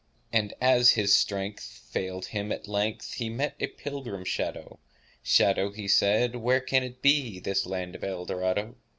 And, as his strength Failed him at length, He met a pilgrim shadow— "Shadow," said he, "Where can it be— This land of Eldorado?"